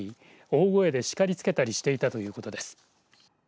大声で、叱りつけたりしていたということです。